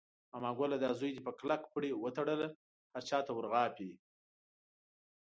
ماما ګله دا زوی دې په کلک پړي وتړله، هر چاته ور غاپي.